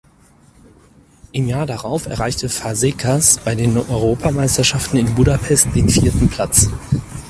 Im Jahr darauf erreichte Fazekas bei den Europameisterschaften in Budapest den vierten Platz.